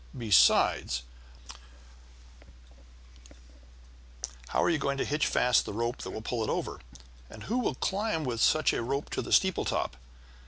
Besides, how are you going to hitch fast the rope that will pull it over? And who will climb with such a rope to the steeple top?